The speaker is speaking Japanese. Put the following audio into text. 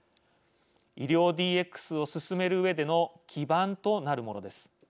医療ＤＸを進めるうえでの基盤となるものです。